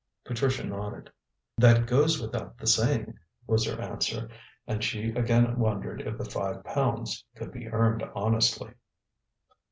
Patricia nodded. "That goes without the saying," was her answer, and she again wondered if the five pounds could be earned honestly.